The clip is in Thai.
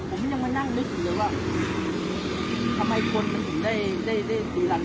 ตอนนี้กำหนังไปคุยของผู้สาวว่ามีคนละตบ